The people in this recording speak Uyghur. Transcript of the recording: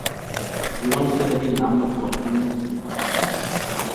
«دىۋان قىدىرى» ناملىق توپلىمىنى تۈزۈپ چىققان.